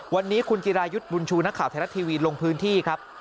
วันนี้คุณจิรายุทธ์บุญชูนักข่าวไทยรัฐทีวีลงพื้นที่ครับ